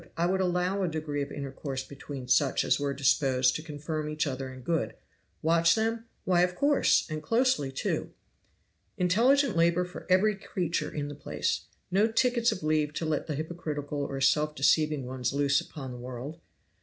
I would allow a degree of intercourse between such as were disposed to confirm each other in good. Watch them? why, of course and closely, too. "Intelligent labor for every creature in the place. No tickets of leave to let the hypocritical or self deceiving ones loose upon the world.